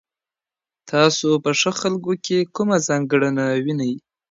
تاسو په ښه خلکو کي کومه ځانګړنه وینئ؟